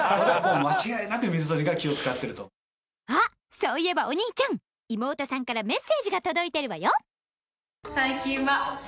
あ、そういえば、お兄ちゃん妹さんからメッセージが届いてるわよ。